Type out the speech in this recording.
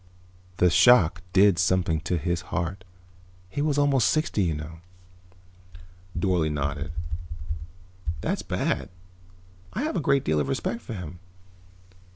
The shock did something to his heart. He was almost sixty, you know." Dorle nodded. "That's bad. I have a great deal of respect for him.